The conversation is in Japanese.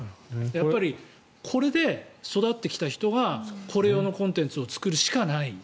やっぱりこれで育ってきた人がこれ用のコンテンツを作るしかない。